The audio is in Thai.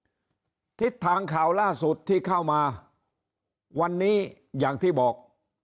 ทิศทางข่าวล่าสุดที่เข้ามาวันนี้อย่างที่บอก